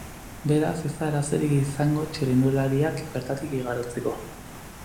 Beraz, ez da arazorik izango txirrindulariak bertatik igarotzeko.